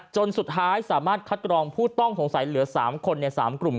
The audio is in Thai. จนสุดท้ายสามารถคัดกรองผู้ต้องสงสัยเหลือ๓คนใน๓กลุ่ม